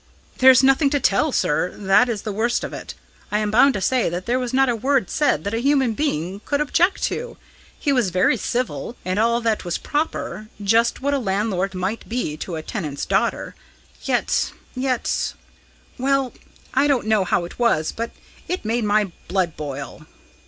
"There is nothing to tell, sir; that is the worst of it. I am bound to say that there was not a word said that a human being could object to. He was very civil, and all that was proper just what a landlord might be to a tenant's daughter ... Yet yet well, I don't know how it was, but it made my blood boil."